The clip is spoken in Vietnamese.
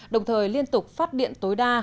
đồng thời liên tục phát điện tối đa